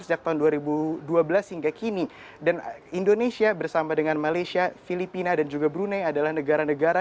sejak tahun dua ribu dua belas hingga kini dan indonesia bersama dengan malaysia filipina dan juga brunei adalah negara negara